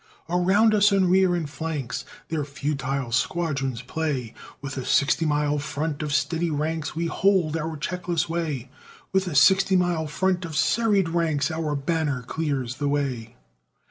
Around us in rear and flanks, Their futile squadrons play, With a sixty mile front of steady ranks, We hold our checkless way; With a sixty mile front of serried ranks, Our banner clears the way.